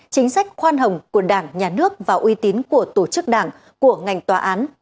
chính sách khoan hồng của đảng nhà nước và uy tín của tổ chức đảng của ngành tòa án